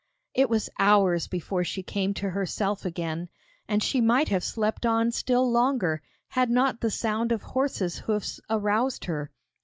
It was hours before she came to herself again, and she might have slept on still longer, had not the sound of horses' hoofs aroused her.